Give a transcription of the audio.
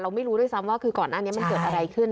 ไม่รู้ด้วยซ้ำว่าคือก่อนหน้านี้มันเกิดอะไรขึ้น